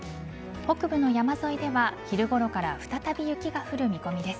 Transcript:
北部の山沿いでは昼ごろから再び雪が降る見込みです。